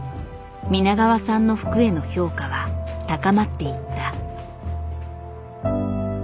皆川さんの服への評価は高まっていった。